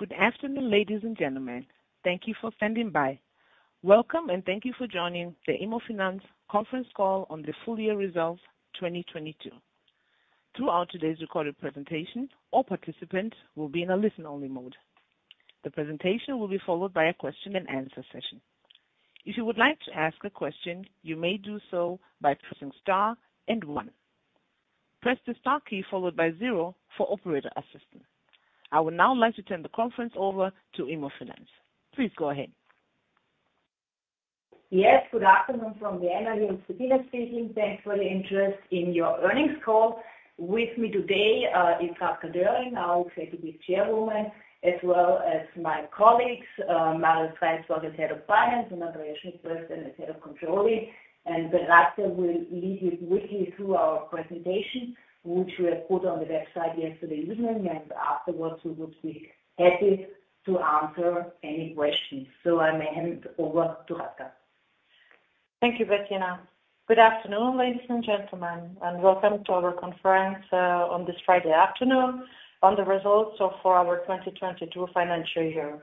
Good afternoon, ladies and gentlemen. Thank you for standing by. Welcome, and thank you for joining the IMMOFINANZ conference call on the full year results 2022. Throughout today's recorded presentation, all participants will be in a listen-only mode. The presentation will be followed by a question-and-answer session. If you would like to ask a question, you may do so by pressing star and one. Press the star key followed by zero for operator assistance. I would now like to turn the conference over to IMMOFINANZ. Please go ahead. Yes, good afternoon from Vienna. Here's Bettina Schragl. Thanks for your interest in your earnings call. With me today, is Radka Doehring, our Executive Chairwoman, as well as my colleagues, Marius Reinsperger, Head of Finance, and Andrea Schönfelder, the Head of Controlling. Radka will lead you quickly through our presentation, which we have put on the website yesterday evening, and afterwards, we would be happy to answer any questions. I may hand over to Radka. Thank you, Bettina. Good afternoon, ladies and gentlemen, and welcome to our conference on this Friday afternoon on the results of our 2022 financial year.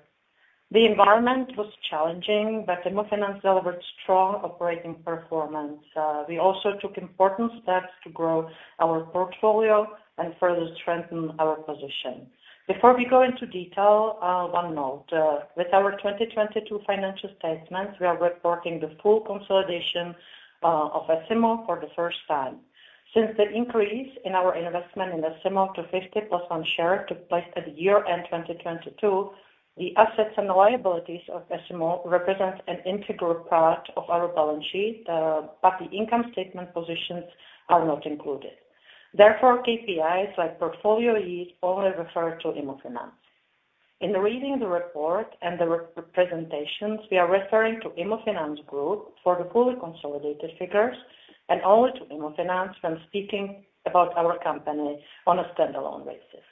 The environment was challenging, IMMOFINANZ delivered strong operating performance. We also took important steps to grow our portfolio and further strengthen our position. Before we go into detail, one note. With our 2022 financial statements, we are reporting the full consolidation of S IMMO for the first time. Since the increase in our investment in S IMMO to 50+1 share took place at year-end 2022, the assets and liabilities of S IMMO represent an integral part of our balance sheet, but the income statement positions are not included. Therefore, KPIs like portfolio yield only refer to IMMOFINANZ. In reading the report and the re-presentations, we are referring to IMMOFINANZ Group for the fully consolidated figures and only to IMMOFINANZ when speaking about our company on a standalone basis.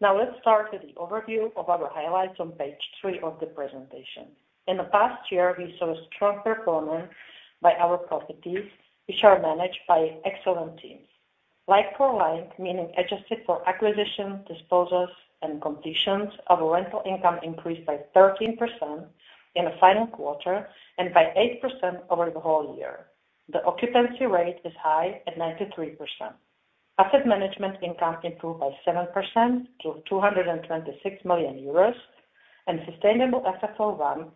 Let's start with the overview of our highlights on page three of the presentation. In the past year, we saw a strong performance by our properties, which are managed by excellent teams. like-for-like, meaning adjusted for acquisition, disposals, and completions of rental income increased by 13% in the final quarter and by 8% over the whole year. The occupancy rate is high at 93%. Asset management income improved by 7% to 226 million euros and sustainable FFO 1,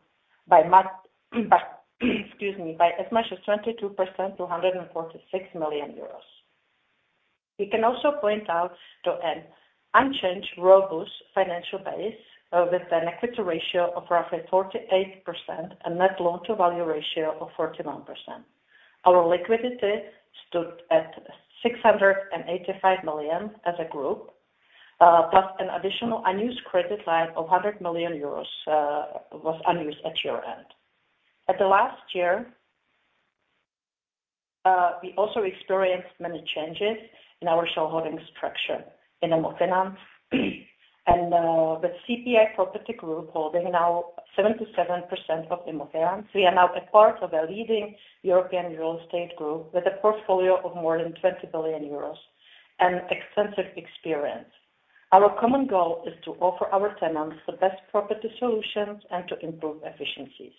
Excuse me, by as much as 22% to 146 million euros. We can also point out to an unchanged robust financial base, with an equity ratio of roughly 48% and net loan-to-value ratio of 41%. Our liquidity stood at 685 million as a group, plus an additional unused credit line of 100 million euros was unused at year-end. At the last year, we also experienced many changes in our shareholding structure in IMMOFINANZ. With CPI Property Group holding now 77% of IMMOFINANZ, we are now a part of a leading European real estate group with a portfolio of more than 20 billion euros and extensive experience. Our common goal is to offer our tenants the best property solutions and to improve efficiencies.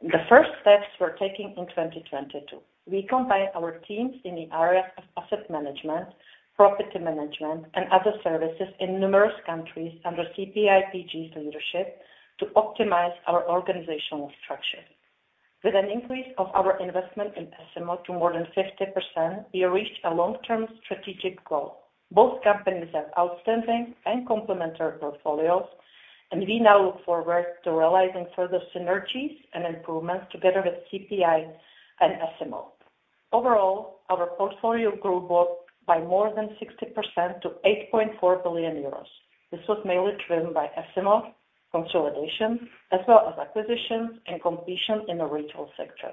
The first steps we're taking in 2022. We combine our teams in the areas of asset management, property management, and other services in numerous countries under CPIPG's leadership to optimize our organizational structure. With an increase of our investment in S IMMO to more than 50%, we reached a long-term strategic goal. Both companies have outstanding and complementary portfolios. We now look forward to realizing further synergies and improvements together with CPIPG and S IMMO. Overall, our portfolio grew both by more than 60% to 8.4 billion euros. This was mainly driven by S IMMO consolidation, as well as acquisitions and completion in the retail sector.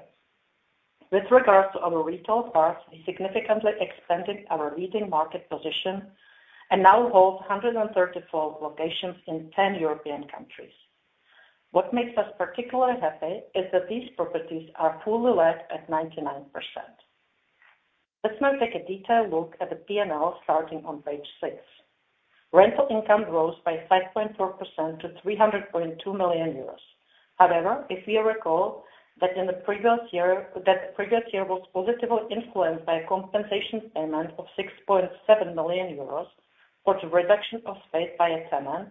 With regards to our retail parks, we significantly expanded our leading market position and now hold 134 locations in 10 European countries. What makes us particularly happy is that these properties are fully let at 99%. Let's now take a detailed look at the P&L starting on page six. Rental income rose by 5.4% to 300.2 million euros. If we recall that the previous year was positively influenced by a compensation payment of 6.7 million euros for the reduction of space by a tenant,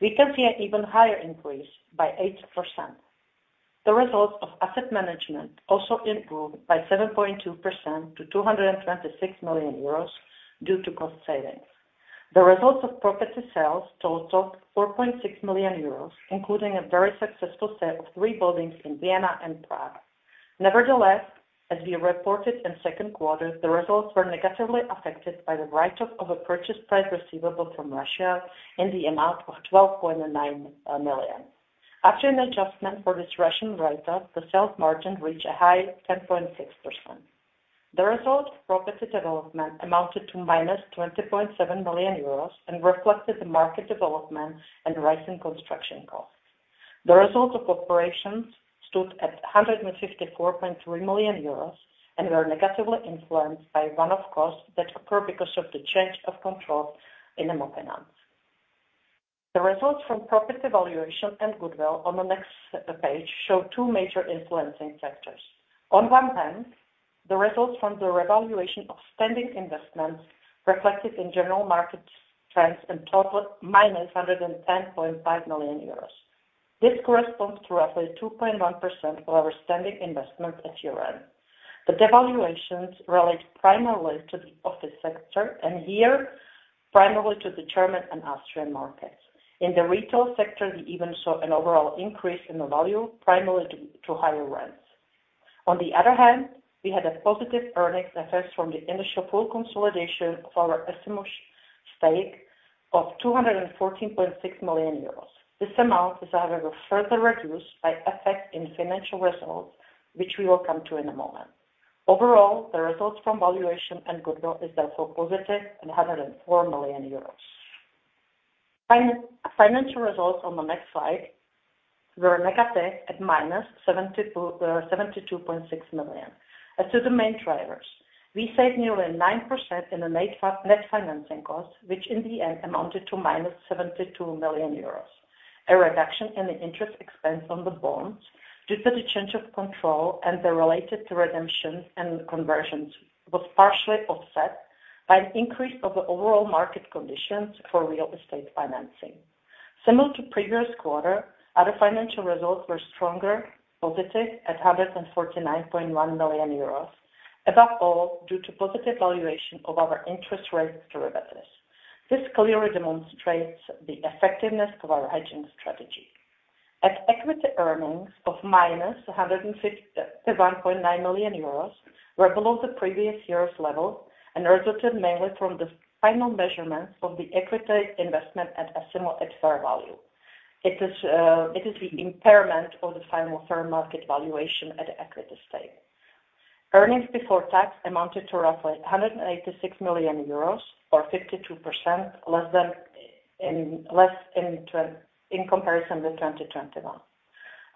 we can see an even higher increase by 8%. The results of asset management also improved by 7.2% to 226 million euros due to cost savings. The results of property sales totaled 4.6 million euros, including a very successful set of three buildings in Vienna and Prague. As we reported in Q2, the results were negatively affected by the write-off of a purchase price receivable from Russia in the amount of 12.9 million. After an adjustment for this Russian write-off, the sales margin reached a high 10.6%. The result of property development amounted to -20.7 million euros and reflected the market development and rising construction costs. The result of operations stood at 154.3 million euros and were negatively influenced by one-off costs that occur because of the change of control in IMMOFINANZ. The results from profit evaluation and goodwill on the next page show two major influencing factors. On one hand, the results from the revaluation of standing investments reflected in general market trends in total -110.5 million euros. This corresponds to roughly 2.1% of our standing investment at year-end. The devaluations relate primarily to the office sector and here primarily to the German and Austrian markets. In the retail sector, we even saw an overall increase in the value primarily due to higher rents. We had a positive earnings effect from the initial full consolidation of our S IMMO stake of 214.6 million euros. This amount is, however, further reduced by effect in financial results, which we will come to in a moment. The results from valuation and goodwill is therefore positive in 104 million euros. Financial results on the next slide were negative at -72.6 million. As to the main drivers, we saved nearly 9% in the net financing costs, which in the end amounted to -72 million euros. A reduction in the interest expense on the bonds due to the change of control and the related redemptions and conversions, was partially offset by an increase of the overall market conditions for real estate financing. Similar to previous quarter, other financial results were stronger, positive at 149.1 million euros. Above all, due to positive valuation of our interest rate derivatives. This clearly demonstrates the effectiveness of our hedging strategy. At equity earnings of -106.19 million euros were below the previous year's level and resulted mainly from the final measurements of the equity investment at S IMMO at fair value. It is the impairment of the final fair market valuation at equity stake. Earnings before tax amounted to roughly 186 million euros or 52% less in comparison to 2021.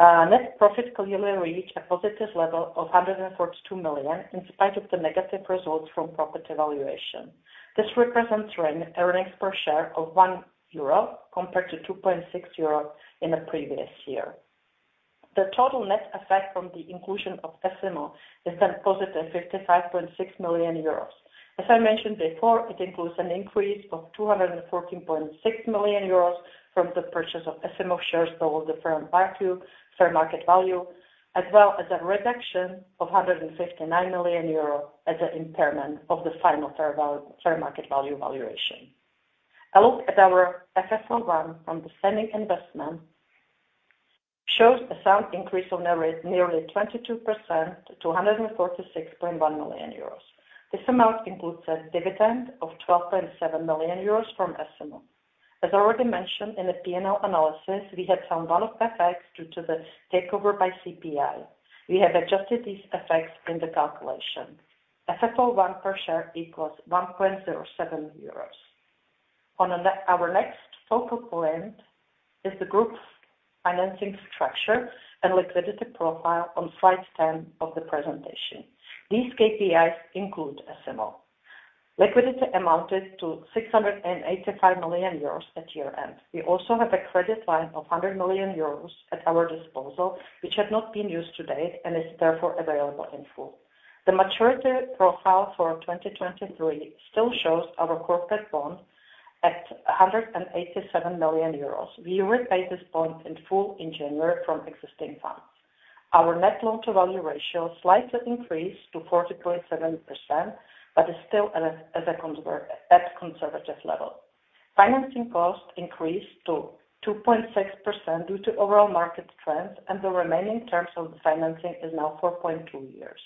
Net profit clearly reached a positive level of 142 million, in spite of the negative results from profit evaluation. This represents earnings per share of 1 euro compared to 2.6 euro in the previous year. The total net effect from the inclusion of S IMMO is +55.6 million euros. As I mentioned before, it includes an increase of 214.6 million euros from the purchase of S IMMO shares below the fair market value, as well as a reduction of 159 million euros as an impairment of the final fair market value valuation. A look at our FFO 1 from the standing investment shows a sound increase of nearly 22% to 146.1 million euros. This amount includes a dividend of 12.7 million euros from S IMMO. As already mentioned in the P&L analysis, we had some one-off effects due to the takeover by CPI. We have adjusted these effects in the calculation. FFO 1 per share equals 1.07 euros. Our next focal point is the group's financing structure and liquidity profile on slide 10 of the presentation. These KPIs include S IMMO. Liquidity amounted to 685 million euros at year-end. We also have a credit line of 100 million euros at our disposal, which has not been used to date and is therefore available in full. The maturity profile for 2023 still shows our corporate bond at 187 million euros. We repaid this bond in full in January from existing funds. Our net loan to value ratio slightly increased to 40.7%, but is still at a conservative level. Financing costs increased to 2.6% due to overall market trends. The remaining terms of the financing is now four point two years.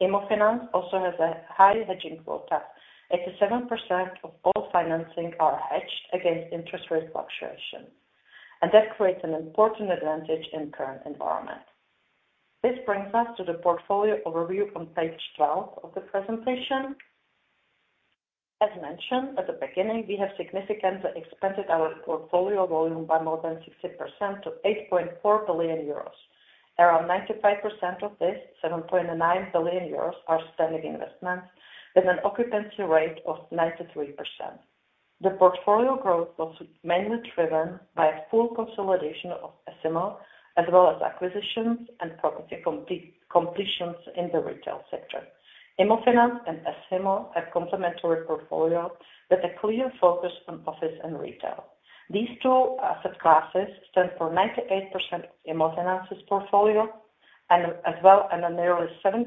IMMOFINANZ also has a high hedging quota. 87% of all financing are hedged against interest rate fluctuation. That creates an important advantage in current environment. This brings us to the portfolio overview on page 12 of the presentation. As mentioned at the beginning, we have significantly expanded our portfolio volume by more than 60% to 8.4 billion euros. Around 95% of this, 7.9 billion euros are standing investments with an occupancy rate of 93%. The portfolio growth was mainly driven by a full consolidation of S IMMO as well as acquisitions and property completions in the retail sector. IMMOFINANZ and S IMMO have complementary portfolio with a clear focus on office and retail. These two subclasses stand for 98% of IMMOFINANZ's portfolio and as well, and nearly 70%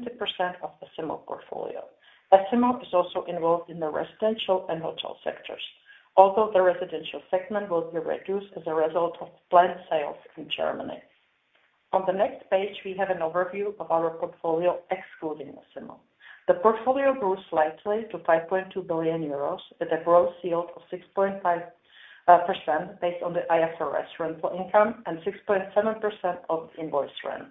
of the S IMMO portfolio. S IMMO is also involved in the residential and hotel sectors. Although the residential segment will be reduced as a result of planned sales in Germany. On the next page, we have an overview of our portfolio excluding S IMMO. The portfolio grew slightly to 5.2 billion euros, with a gross yield of 6.5% based on the IFRS rental income and 6.7% of invoice rent.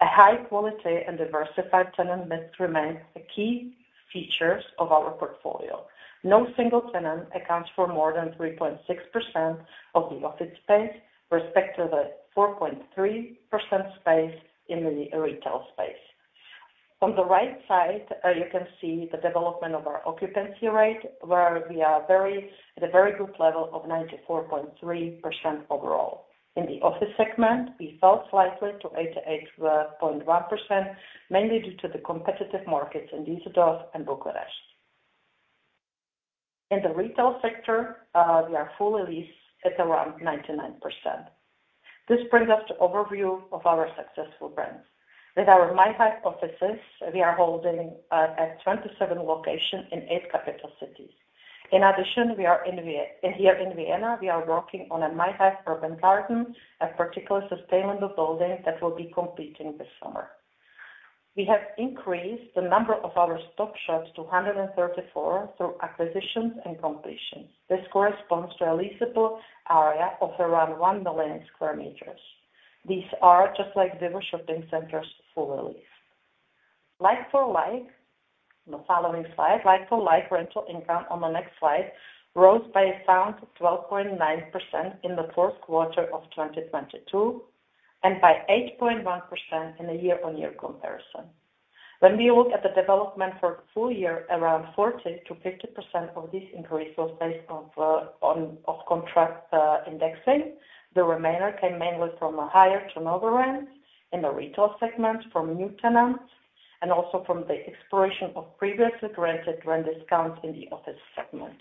A high quality and diversified tenant mix remains the key features of our portfolio. No single tenant accounts for more than 3.6% of the office space, respect to the 4.3% space in the retail space. On the right side, you can see the development of our occupancy rate, where we are at a very good level of 94.3% overall. In the office segment, we fell slightly to 88.1%, mainly due to the competitive markets in Düsseldorf and Bucharest. In the retail sector, we are fully leased at around 99%. This brings us to overview of our successful brands. With our myhive offices, we are holding at 27 locations in eight capital cities. In addition, here in Vienna, we are working on a myhive Urban Garden, a particular sustainable building that will be completing this summer. We have increased the number of our STOP SHOPs to 134 through acquisitions and completions. This corresponds to a leasable area of around 1 million sq m. These are just like VIVO! shopping centers full release. Like-for-like. On the following slide. Like-for-like, rental income on the next slide rose by a sound 12.9% in the Q4 of 2022, and by 8.1% in a year-on-year comparison. When we look at the development for full year, around 40%-50% of this increase was based off contract indexing. The remainder came mainly from a higher turnover rent in the retail segment from new tenants, and also from the expiration of previously granted rent discounts in the office segment.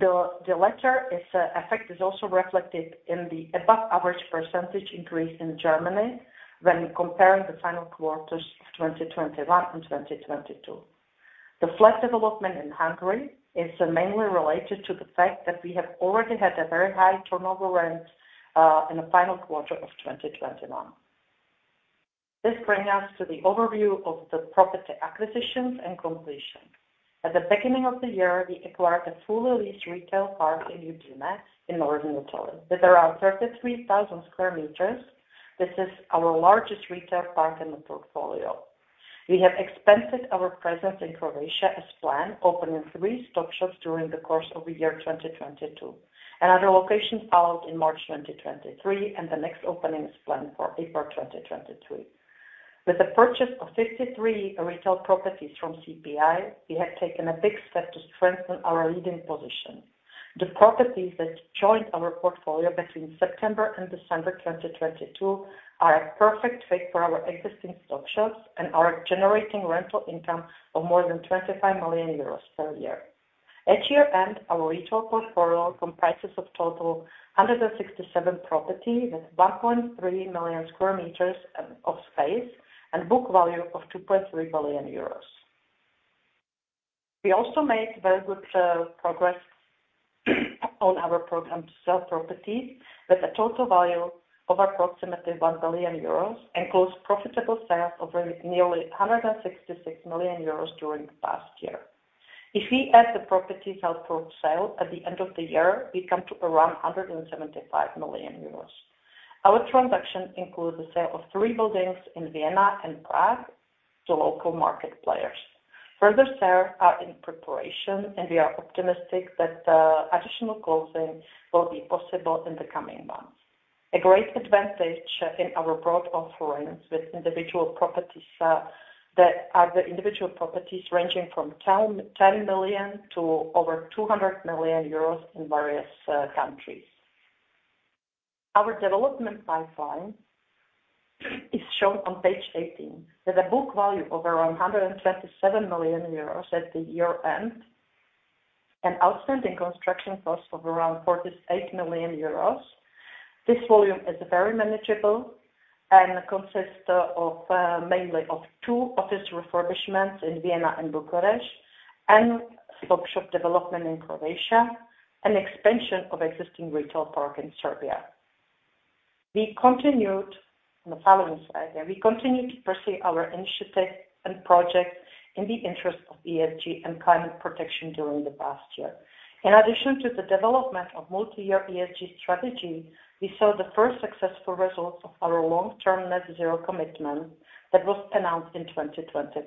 The latter effect is also reflected in the above average percentage increase in Germany when comparing the final quarters of 2021 and 2022. The flat development in Hungary is mainly related to the fact that we have already had a very high turnover rent in the final quarter of 2021. This bring us to the overview of the property acquisitions and completion. At the beginning of the year, we acquired a fully leased retail park in Udine in northern Italy. With around 33,000 sq m, this is our largest retail park in the portfolio. We have expanded our presence in Croatia as planned, opening three STOP SHOPs during the course of the year 2022. Another location followed in March 2023, and the next opening is planned for April 2023. With the purchase of 53 retail properties from CPI, we have taken a big step to strengthen our leading position. The properties that joined our portfolio between September and December 2022 are a perfect fit for our existing STOP SHOPs and are generating rental income of more than 25 million euros per year. At year-end, our retail portfolio comprises of total 167 property with 1.3 million sq m of space and book value of 2.3 billion euros. We also make very good progress on our program to sell property with a total value of approximately 1 billion euros and close profitable sales of nearly 166 million euros during the past year. If we add the properties held for sale at the end of the year, we come to around 175 million euros. Our transaction includes the sale of three buildings in Vienna and Prague to local market players. Further sales are in preparation, and we are optimistic that additional closing will be possible in the coming months. A great advantage in our broad offerings with individual properties that are the individual properties ranging from 10 million to over 200 million euros in various countries. Our development pipeline is shown on page 18. With a book value of around 127 million euros at the year-end, an outstanding construction cost of around 48 million euros. This volume is very manageable and consists of mainly of two office refurbishments in Vienna and Bucharest and STOP SHOP development in Croatia and expansion of existing retail park in Serbia. On the following slide. We continued to pursue our initiatives and projects in the interest of ESG and climate protection during the past year. In addition to the development of multi-year ESG strategy, we saw the first successful results of our long-term net zero commitment that was announced in 2021.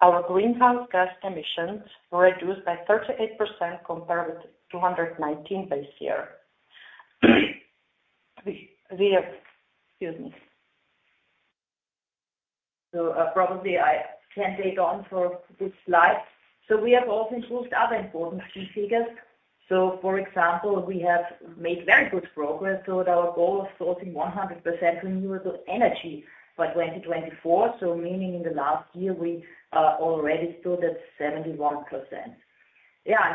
Our greenhouse gas emissions were reduced by 38% compared with 2019 base year. Excuse me. Probably I can take on for this slide. We have also improved other important key figures. For example, we have made very good progress toward our goal of sourcing 100% renewable energy by 2024. Meaning in the last year, we already stood at 71%.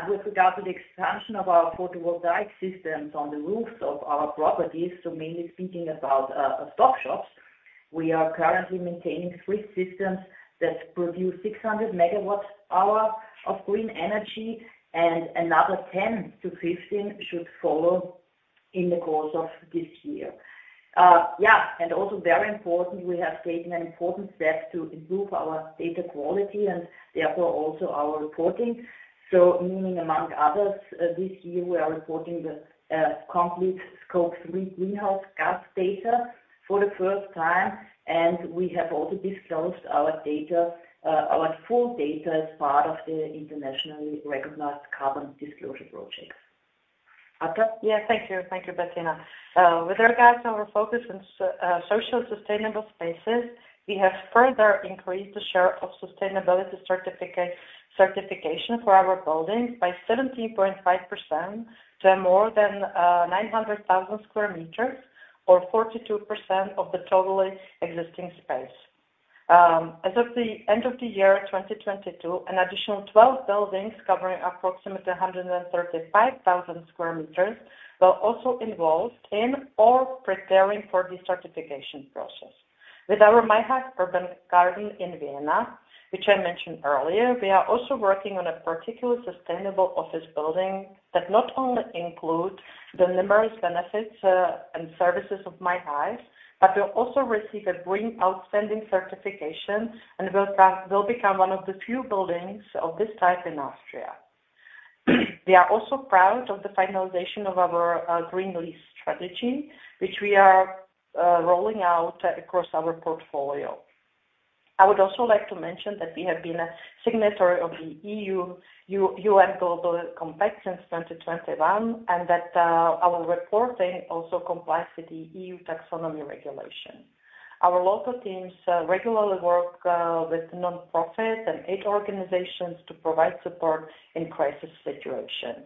With regard to the expansion of our photovoltaic systems on the roofs of our properties, mainly speaking about STOP shops. We are currently maintaining three systems that produce 600MWh of green energy, and another 10-15 should follow. In the course of this year. Yeah, also very important, we have taken an important step to improve our data quality and therefore also our reporting. Meaning among others, this year we are reporting the complete Scope greenhouse gas data for the first time. We have also disclosed our data, our full data as part of the internationally recognized Carbon Disclosure Project. Thank you. Thank you, Bettina. With regards to our focus on social sustainable spaces, we have further increased the share of sustainability certification for our buildings by 17.5% to more than 900,000 sq m or 42% of the total existing space. As of the end of the year 2022, an additional 12 buildings covering approximately 135,000 sq m were also involved in or preparing for the certification process. With our myhive Urban Garden in Vienna, which I mentioned earlier, we are also working on a particular sustainable office building that not only includes the numerous benefits and services of myhive, but will also receive a BREEAM Outstanding certification and will become one of the few buildings of this type in Austria. We are also proud of the finalization of our green lease strategy, which we are rolling out across our portfolio. I would also like to mention that we have been a signatory of the EU-UN Global Compact since 2021, and that our reporting also complies with the EU Taxonomy Regulation. Our local teams regularly work with nonprofits and aid organizations to provide support in crisis situation.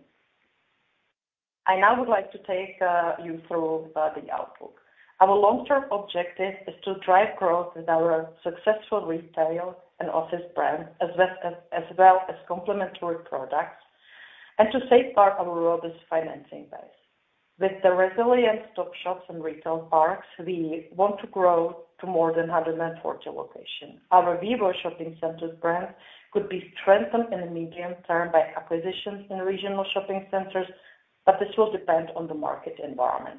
I now would like to take you through the outlook. Our long-term objective is to drive growth with our successful retail and office brand as well as complementary products, and to safeguard our robust financing base. With the resilient STOP SHOPs and retail parks, we want to grow to more than 140 locations. Our VIVO! shopping centers brand could be strengthened in the medium term by acquisitions in regional shopping centers, this will depend on the market environment.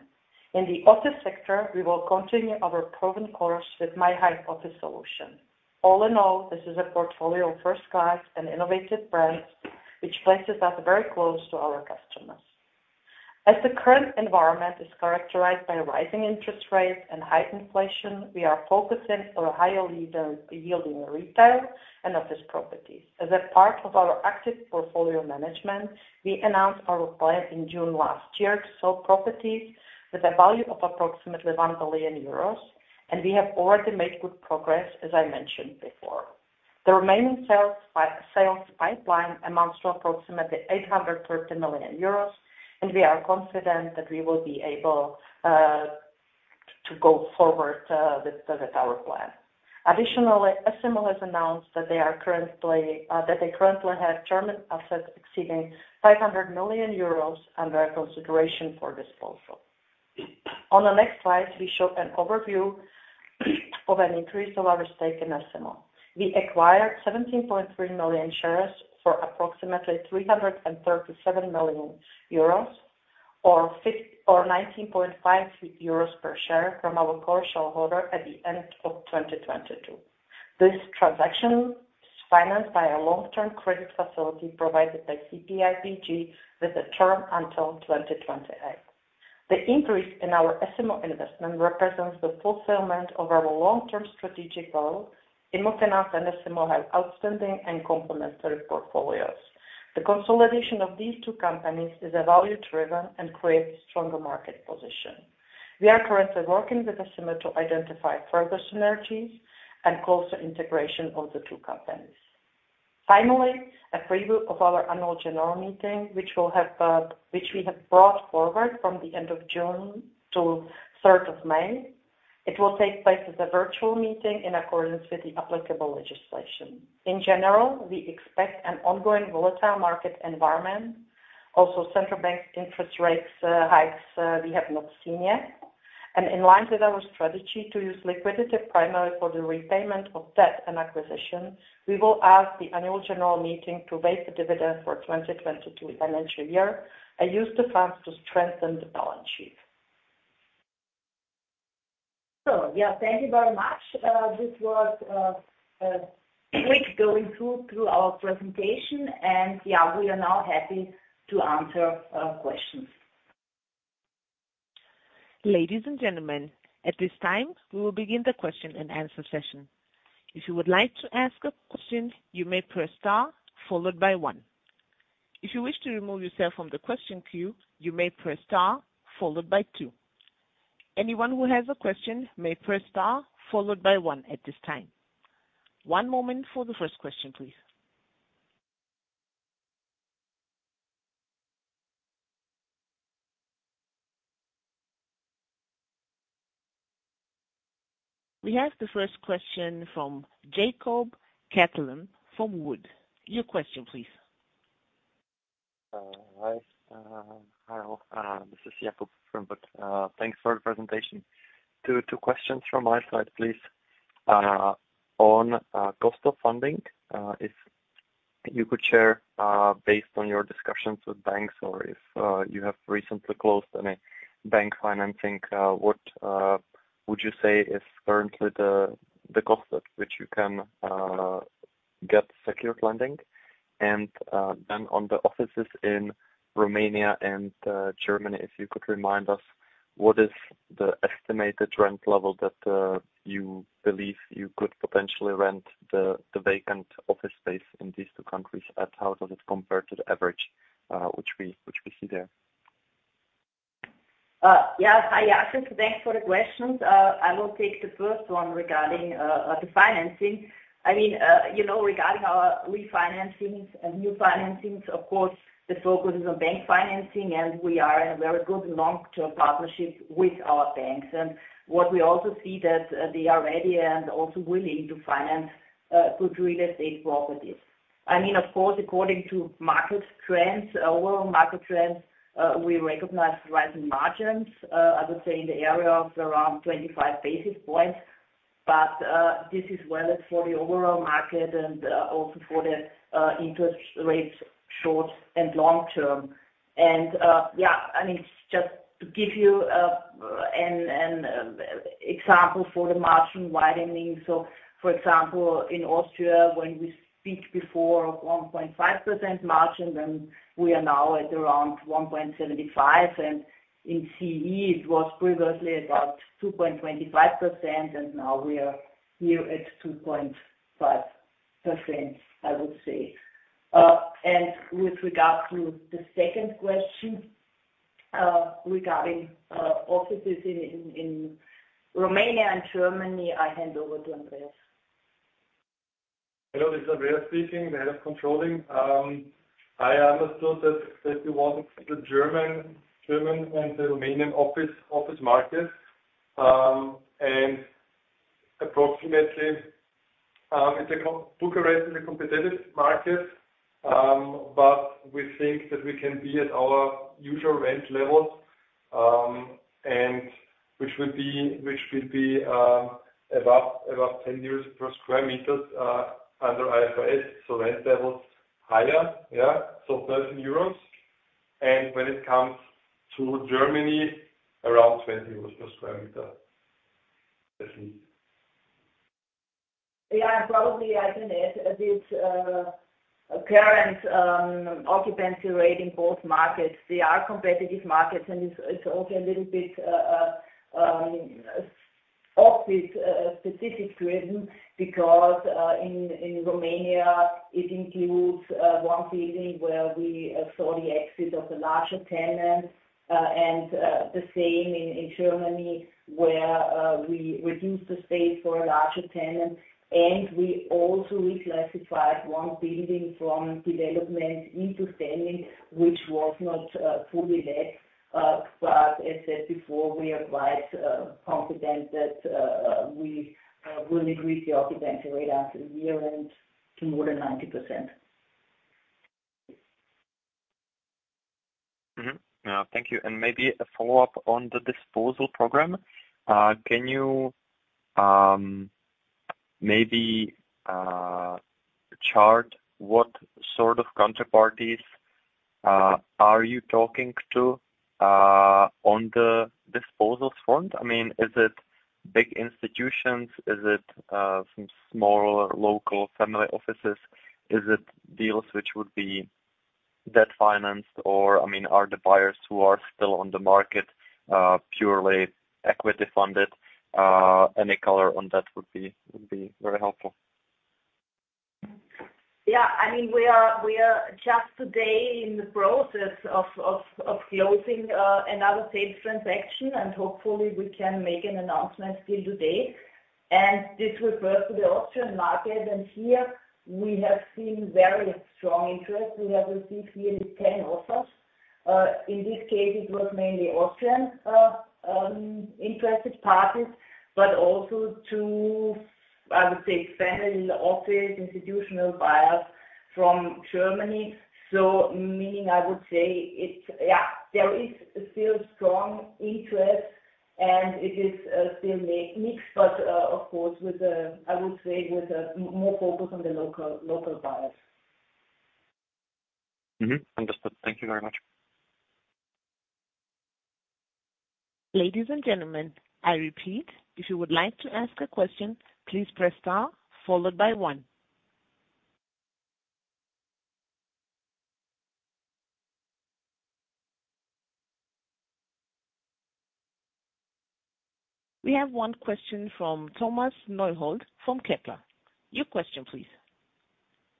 In the office sector, we will continue our proven course with myhive office solution. All in all, this is a portfolio of first-class and innovative brands, which places us very close to our customers. As the current environment is characterized by rising interest rates and high inflation, we are focusing on higher yield-yielding retail and office properties. As a part of our active portfolio management, we announced our plan in June last year to sell properties with a value of approximately 1 billion euros, we have already made good progress, as I mentioned before. The remaining sales pipeline amounts to approximately 830 million euros, and we are confident that we will be able to go forward with our plan. Additionally, S IMMO has announced that they currently have German assets exceeding 500 million euros under consideration for disposal. On the next slide, we show an overview of an increase of our stake in S IMMO. We acquired 17.3 million shares for approximately 337 million euros, or 19.5 euros per share from our core shareholder at the end of 2022. This transaction is financed by a long-term credit facility provided by CPIPG with the term until 2028. The increase in our S IMMO investment represents the fulfillment of our long-term strategic goal. Immo can and S IMMO have outstanding and complementary portfolios. The consolidation of these two companies is a value driver and creates stronger market position. We are currently working with S IMMO to identify further synergies and closer integration of the two companies. Finally, a preview of our annual general meeting, which we have brought forward from the end of June to 3 May. It will take place as a virtual meeting in accordance with the applicable legislation. In general, we expect an ongoing volatile market environment. Also, central bank interest rates hikes we have not seen yet. In line with our strategy to use liquidity primarily for the repayment of debt and acquisition, we will ask the annual general meeting to raise the dividend for 2022 financial year and use the funds to strengthen the balance sheet. Yeah, thank you very much. This was a quick going through to our presentation. Yeah, we are now happy to answer questions. Ladies and gentlemen, at this time, we will begin the question and answer session. If you would like to ask a question, you may press star followed by one. If you wish to remove yourself from the question queue, you may press star followed by two. Anyone who has a question may press star followed by one at this time. One moment for the first question, please. We have the first question from Jakub Caithaml from WOOD & Company. Your question, please. Hi. Hello. This is Jakub. Thanks for the presentation. Two questions from my side, please. On cost of funding, You could share, based on your discussions with banks or if, you have recently closed any bank financing, what would you say is currently the cost at which you can get secured lending? Then on the offices in Romania and Germany, if you could remind us what is the estimated rent level that you believe you could potentially rent the vacant office space in these two countries, and how does it compare to the average which we see there? Yeah. Hi, Jakub. Thanks for the questions. I will take the first one regarding the financing. I mean, you know, regarding our refinancings and new financings, of course, the focus is on bank financing, and we are in a very good long-term partnership with our banks. What we also see that they are ready and also willing to finance good real estate properties. I mean, of course, according to market trends, overall market trends, we recognize rising margins, I would say in the area of around 25 basis points. This is valid for the overall market and also for the interest rates, short and long term. Yeah, I mean, just to give you an example for the margin widening. For example, in Austria, when we speak before of 1.5% margin, then we are now at around 1.75%. In CE, it was previously about 2.25%, and now we are here at 2.5%, I would say. With regard to the second question, regarding offices in Romania and Germany, I hand over to Andrea. Hello, this is Andrea speaking, the Head of Controlling. I understood that it was the German and the Romanian office market. Approximately, Bucharest is a competitive market, but we think that we can be at our usual rent level, which will be about 10 euros per square meter under IFRS. Rent levels higher, yeah, 13 euros. When it comes to Germany, around 20 euros per square meter. That's it. Probably I can add a bit current occupancy rate in both markets. They are competitive markets, and it's also a little bit office specific driven because in Romania, it includes 1 building where we saw the exit of a larger tenant. The same in Germany, where we reduced the space for a larger tenant. We also reclassified one building from development into standing, which was not fully let. As said before, we are quite confident that we will increase the occupancy rate after year-end to more than 90%. Thank you. And maybe a follow-up on the disposal program. Can you maybe chart what sort of counterparties are you talking to on the disposals front? I mean, is it big institutions? Is it some smaller local family offices? Is it deals which would be debt financed? Or, I mean, are the buyers who are still on the market purely equity funded? Any color on that would be very helpful. Yeah. I mean, we are just today in the process of closing another sales transaction, and hopefully we can make an announcement till today. This refers to the Austrian market, and here we have seen very strong interest. We have received nearly 10 offers. In this case, it was mainly Austrian interested parties, but also two, I would say, family office institutional buyers from Germany. Meaning, I would say it's. Yeah, there is still strong interest, and it is still mixed, but, of course, with the, I would say, with more focus on the local buyers. Mm-hmm. Understood. Thank you very much. Ladies and gentlemen, I repeat, if you would like to ask a question, please press star followed by one. We have one question from Thomas Neuhold from Kepler. Your question, please.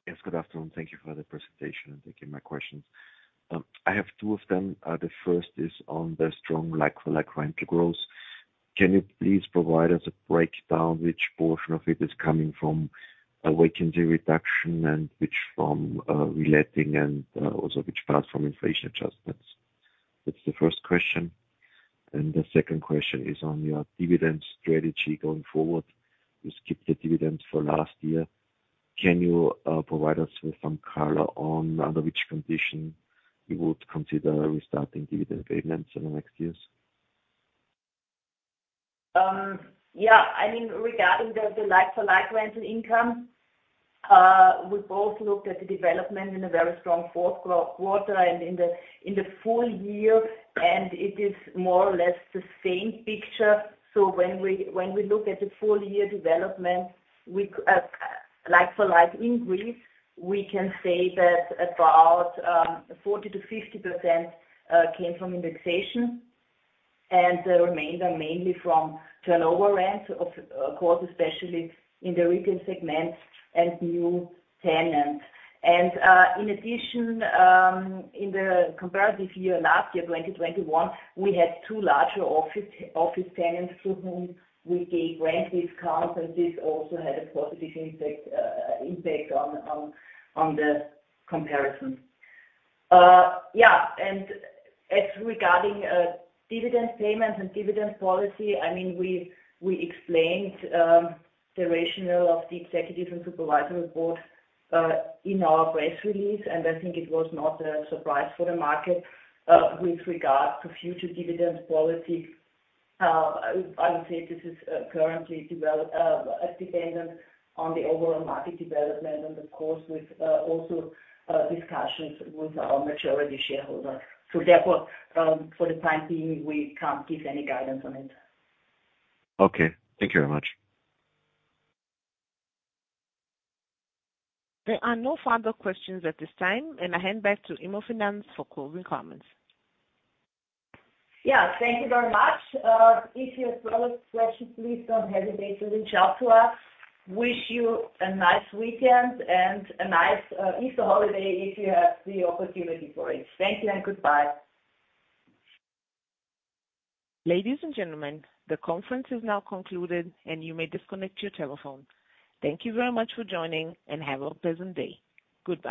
Yes, good afternoon. Thank you for the presentation, thank you my questions. I have two of them. The first is on the strong like-for-like rental growth. Can you please provide us a breakdown which portion of it is coming from a vacancy reduction and which from reletting and also which part from inflation adjustments? That's the first question. The second question is on your dividend strategy going forward. You skipped the dividend for last year. Can you provide us with some color on under which condition you would consider restarting dividend payments in the next years? Yeah, I mean, regarding the like-for-like rental income, we both looked at the development in a very strong fourth quarter and in the full year, it is more or less the same picture. When we look at the full year development, we like-for-like in Greece, we can say that about 40%-50% came from indexation and the remainder mainly from turnover rent, of course, especially in the retail segment and new tenants. In addition, in the comparative year, last year, 2021, we had two larger office tenants to whom we gave rent discounts, this also had a positive impact on the comparison. Yeah, as regarding dividend payments and dividend policy, I mean, we explained the rationale of the executives and supervisory board in our press release. I think it was not a surprise for the market with regard to future dividend policy. I would say this is currently develop dependent on the overall market development and of course, with also discussions with our majority shareholder. Therefore, for the time being, we can't give any guidance on it. Okay. Thank you very much. There are no further questions at this time, and I hand back to IMMOFINANZ for closing comments. Yeah. Thank you very much. If you have further questions, please don't hesitate to reach out to us. Wish you a nice weekend and a nice Easter holiday if you have the opportunity for it. Thank you and goodbye. Ladies and gentlemen, the conference is now concluded, and you may disconnect your telephone. Thank you very much for joining, and have a pleasant day. Goodbye.